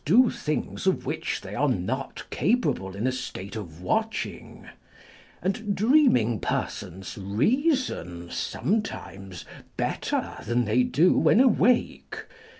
do things of which they are not capable in a state of watching ; and dreaming persons reason sometimes better than they do when awake.